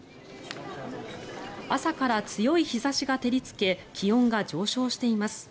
朝から強い日差しが照りつけ気温が上昇しています。